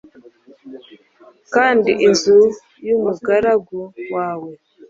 kandi inzu y umugaragu wawe